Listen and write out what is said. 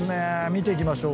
見ていきましょう。